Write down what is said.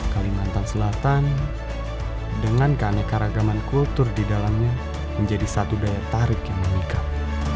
kalimantan selatan dengan keanekaragaman kultur di dalamnya menjadi satu daya tarik yang mengikat